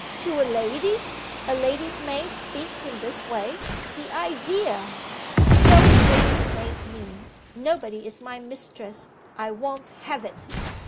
'To a lady? A lady's maid speaks in this way. The idea!' 'Don't "lady's maid" me: nobody is my mistress I won't have it!